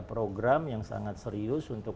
program yang sangat serius untuk